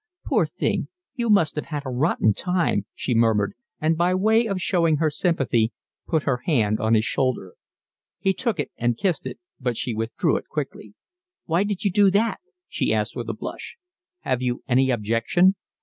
"Poor thing, you must have had a rotten time," she murmured, and by way of showing her sympathy put her hand on his shoulder. He took it and kissed it, but she withdrew it quickly. "Why did you do that?" she asked, with a blush. "Have you any objection?"